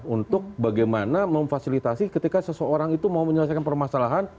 untuk bagaimana memfasilitasi ketika seseorang itu mau menyelesaikan permasalahan